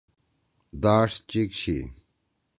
داݜ چِک چھی۔